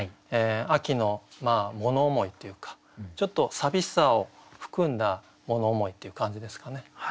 秋の物思いっていうかちょっと寂しさを含んだ物思いっていう感じですかね。